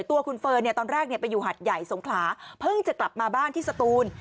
ตัวคุณเฟิร์นตอนแรกไปอยู่หัดใหญ่สงขลาเพิ่งจะกลับมาบ้านที่สตูน